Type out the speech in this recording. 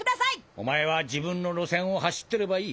お前は自分の路線を走ってればいい。